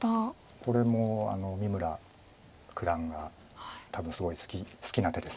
これも三村九段が多分すごい好きな手です。